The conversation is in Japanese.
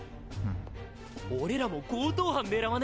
俺らも強盗犯狙わねぇか？